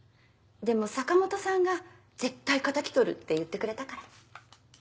でも坂本さんが「絶対敵取る」って言ってくれたから。